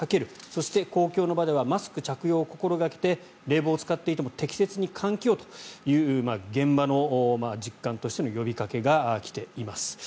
そして、公共の場ではマスク着用を心掛けて冷房を使っていても適切に換気をという現場の実感としての呼びかけが来ています。